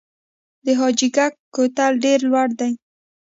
د حاجي ګک کوتل ډیر لوړ دی